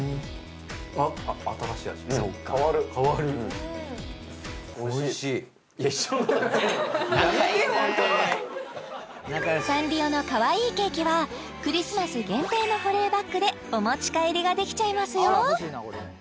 あうんいや一緒サンリオのかわいいケーキはクリスマス限定の保冷バッグでお持ち帰りができちゃいますよ